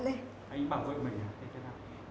anh bảo quên mình à